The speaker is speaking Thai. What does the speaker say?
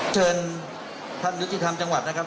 เชิญทันจังหวัดนะครับ